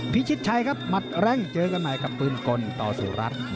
พิชิตชัยครับหมัดแรงเจอกันใหม่กับปืนกลต่อสุรัตน์